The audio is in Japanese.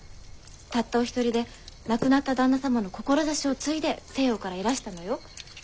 たったお一人で亡くなった旦那様の志を継いで西洋からいらしたのよ。